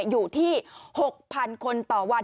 อยู่ที่๖๐๐๐คนต่อวัน